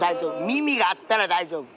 耳があったら大丈夫。